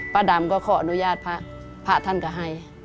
ดำก็ขออนุญาตพระพระท่านก็ให้